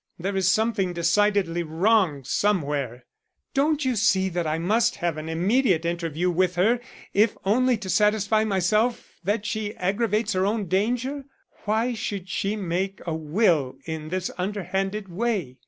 There is something decidedly wrong somewhere. Don't you see that I must have an immediate interview with her if only to satisfy myself that she aggravates her own danger? Why should she make a will in this underhanded way?